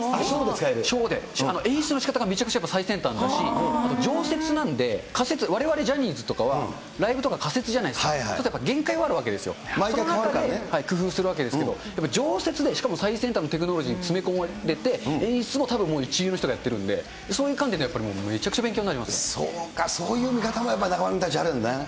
ショーで、演出のしかたがめちゃくちゃ最先端ですし、常設なんで、仮設、われわれジャニーズとかは、仮設、そうするとやっぱり限界があるわけですよ。工夫するわけですけれども、常設でしかも最先端のテクノロジー詰め込まれて、演出もたぶん一流の人がやってるんで、そういう観点でやっぱり、そうか、そういう見方もやっぱり、中丸君たち、あるんだな。